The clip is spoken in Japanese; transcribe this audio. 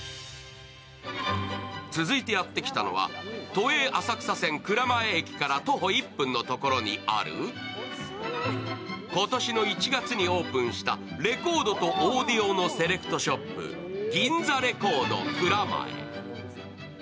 続いてやってきたのは、都営浅草線・蔵前駅から徒歩１分のところにある今年の１月にオープンしたレコードとオーディオのセレクトショップ、ギンザレコード蔵前。